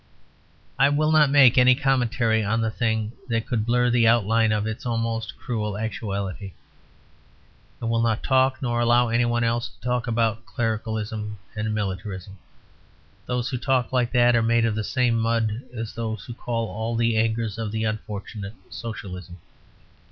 I will not make any commentary on the thing that could blur the outline of its almost cruel actuality. I will not talk nor allow any one else to talk about "clericalism" and "militarism." Those who talk like that are made of the same mud as those who call all the angers of the unfortunate "Socialism."